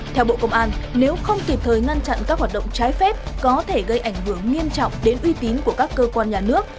theo bộ công an nếu không kịp thời ngăn chặn các hoạt động trái phép có thể gây ảnh hưởng nghiêm trọng đến uy tín của các cơ quan nhà nước